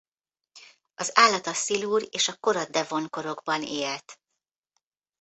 Az állat a szilur és a kora devon korokban élt.